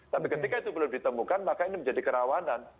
tapi ketika itu belum ditemukan maka ini menjadi kerawanan